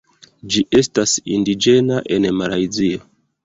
Ĝi estas indiĝena en Malajzio.